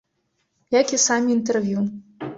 Як і самі інтэрв'ю.